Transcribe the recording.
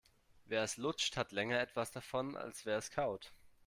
Wer es lutscht, hat länger etwas davon, als wer es kaut.